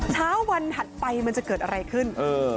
เช้าวันถัดไปมันจะเกิดอะไรขึ้น